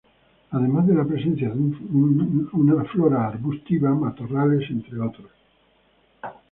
Además de la presencia de un flora arbustiva, matorrales, entre otras.